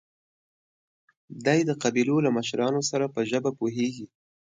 دی د قبيلو له مشرانو سره په ژبه پوهېږي.